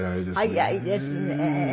早いですね。